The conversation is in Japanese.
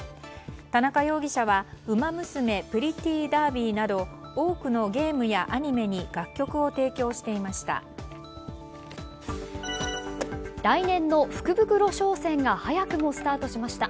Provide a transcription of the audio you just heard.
田中容疑者は「ウマ娘プリティーダービー」など多くのゲームやアニメに楽曲を提供していました。